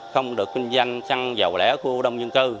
không được kinh doanh xăng dầu lẻ của đông dân cơ